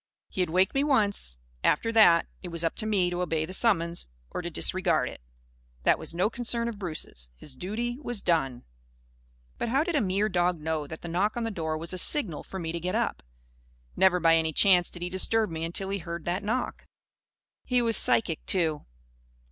He had waked me, once. After that, it was up to me to obey the summons or to disregard it. That was no concern of Bruce's. His duty was done! But how did a mere dog know that the knock on the door was a signal for me to get up? Never by any chance did he disturb me until he heard that knock. He was psychic, too.